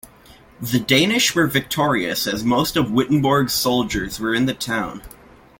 The Danish were victorious as most of Wittenborg's soldiers were in the town.